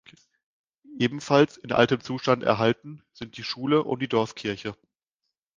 Ebenfalls in altem Zustand erhalten sind die Schule und die Dorfkirche.